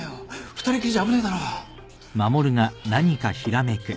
２人きりじゃ危ねえだろ。